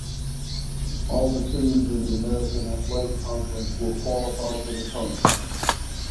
All the teams in the American Athletic Conference will qualify for the tournament.